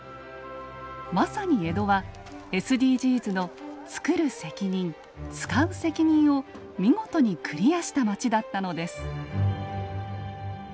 まさに江戸はＳＤＧｓの「つくる責任つかう責任」を見事にクリアした街だったのです。